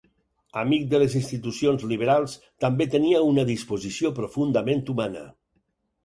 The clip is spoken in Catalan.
Amic de les institucions liberals, també tenia una disposició profundament humana.